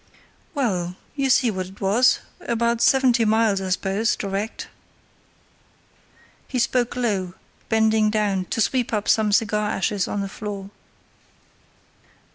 "Well, you see what it was; about seventy miles, I suppose, direct." He spoke low, bending down to sweep up some cigar ashes on the floor.